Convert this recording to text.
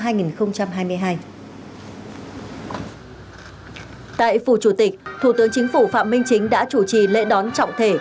tại phủ chủ tịch thủ tướng chính phủ phạm minh chính đã chủ trì lễ đón trọng thể